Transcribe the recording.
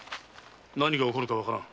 何が起こるかわからん。